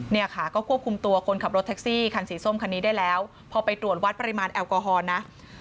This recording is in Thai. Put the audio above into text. เนี่ยค่ะก็ควบคุมตัวคนขับรถแท็กซี่คันสีส้มคันนี้ได้แล้วพอไปตรวจวัดปริมาณแอลกอฮอล์นะ